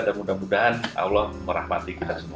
dan mudah mudahan allah merahmati kita semua